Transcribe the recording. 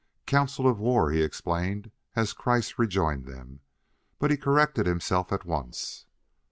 "Council of war," he explained as Kreiss rejoined them, but he corrected himself at once.